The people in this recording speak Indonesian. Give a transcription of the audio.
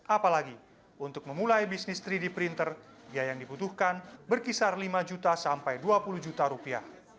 apalagi untuk memulai bisnis tiga d printer biaya yang dibutuhkan berkisar lima juta sampai dua puluh juta rupiah